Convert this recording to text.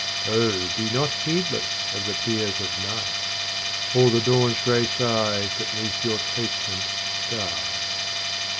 Oh be not heedless of the tears of night, Or the dawn's grey sighs that 'neath your case ment die.